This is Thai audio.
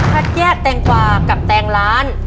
คัดแยกแตงกวากับแตงล้าน